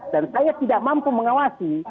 dan saya tidak mampu mengawasi